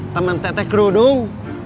temen tetek rudung